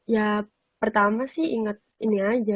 ya pertama sih inget ini aja